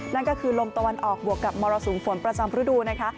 นั่นก็คือลมตะวันออกบวกกับมรสุมฝนประจำฤดูนะคะ